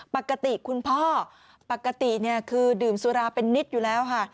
ปกติคุณพ่อปกติคือดื่มสุราเป็นนิดอยู่แล้วค่ะ